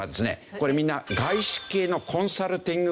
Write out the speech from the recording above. これみんな外資系のコンサルティング会社なんです。